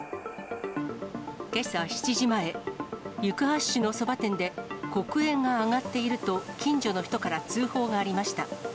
けさ７時前、行橋市のそば店で黒煙が上がっていると、近所の人から通報がありました。